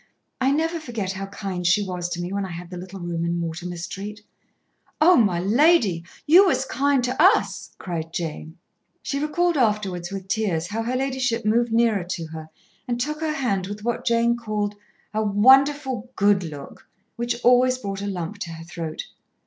I never forget how kind she was to me when I had the little room in Mortimer Street." "Oh! my lady, you was kind to us," cried Jane. She recalled afterwards, with tears, how her ladyship moved nearer to her and took her hand with what Jane called "her wonderful good look," which always brought a lump to her throat.